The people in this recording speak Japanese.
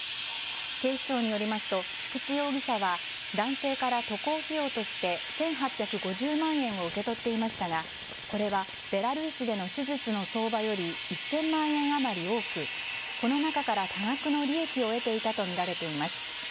警視庁によりますと菊池容疑者は男性から渡航費用として１８５０万円を受け取っていましたがこれはベラルーシでの手術の相場より１０００万円余り多くこの中から多額の利益を得ていたとみられています。